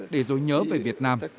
để rồi nhớ về việt nam